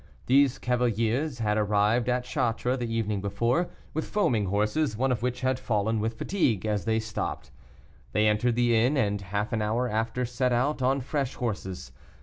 These cavaliers had arrived at Chartres the evening before, with foaming horses, one of which had fallen with fatigue, as they stopped. They entered the inn, and half an hour after set out on fresh horses.